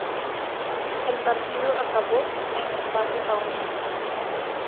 El partido acabó en empate a uno.